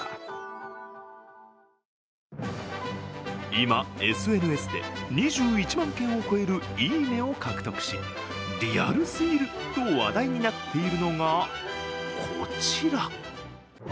今、ＳＮＳで２１万件を超えるいいねを獲得し、リアルすぎると話題になっているのが、こちら。